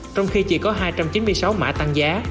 trong khi chỉ có hai trăm chín mươi sáu mã tăng giá